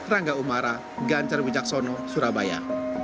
rangga umara ganjar wijaksono surabaya